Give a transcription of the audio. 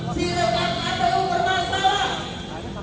si repat kpu bermasalah